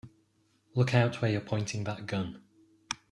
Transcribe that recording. Look out where you're pointing that gun!